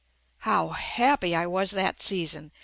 How happy I was that season.